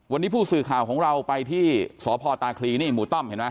วันนี้ผู้สื่อข่าวของเราไปที่สพตาคลีนี่หมู่ต้อมเห็นไหม